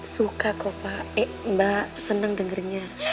suka kok pak eh mbak seneng dengernya